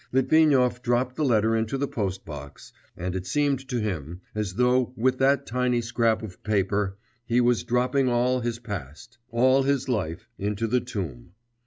Litvinov dropped the letter into the post box, and it seemed to him as though with that tiny scrap of paper he was dropping all his past, all his life into the tomb.